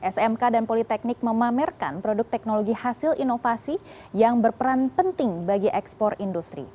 smk dan politeknik memamerkan produk teknologi hasil inovasi yang berperan penting bagi ekspor industri